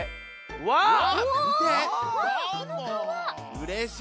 うれしい。